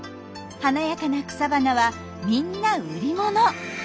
華やかな草花はみんな売り物。